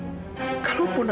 aku akan menangis